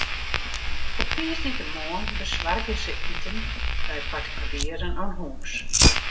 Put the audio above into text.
Op tiisdeitemoarn besoargje se iten by partikulieren oan hûs.